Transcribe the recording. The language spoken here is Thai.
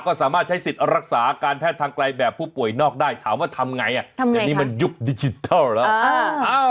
ก็สามารถใช้สิทธิ์รักษาการแพทย์ทางไกลแบบผู้ป่วยนอกได้ถามว่าทำไงอย่างนี้มันยุคดิจิทัลแล้ว